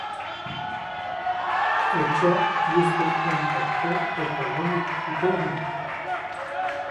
Turcia este un actor economic puternic.